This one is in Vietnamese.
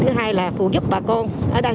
thì ban ngày hỗ trợ giúp bà con nông dân